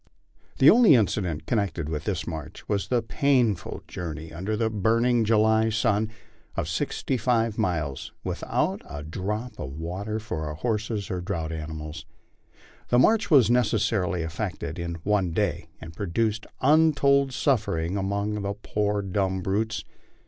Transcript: The only incident connected with this march was the painful journey under a burning July sun, of sixty five miles, without a drop of water for our horses or draught animals. This march was necessarily effected in one day, arid pro duced untold suffering among th poor dumb brutes.